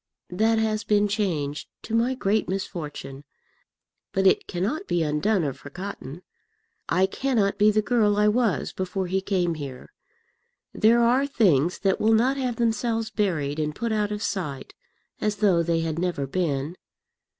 That has been changed, to my great misfortune; but it cannot be undone or forgotten. I cannot be the girl I was before he came here. There are things that will not have themselves buried and put out of sight, as though they had never been.